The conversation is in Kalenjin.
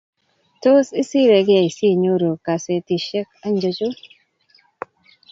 Tos, isiregei siinyoru kasetishek anjocho?